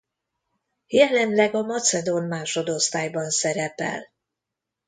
Jelenleg a macedón másodosztályban szerepel.